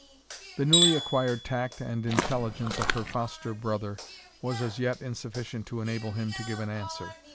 The newly acquired tact and intelligence of her foster brother was as yet insufficient to enable him to give an answer.